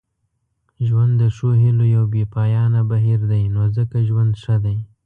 ژوند د ښو هیلو یو بې پایانه بهیر دی نو ځکه ژوند ښه دی.